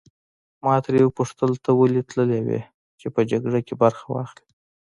ما ترې وپوښتل ته ولې تللی وې چې په جګړه کې برخه واخلې.